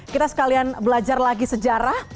kita sekalian belajar lagi sejarah